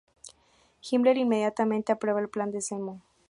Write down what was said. Himmler inmediatamente aprueba el plan de Zemo.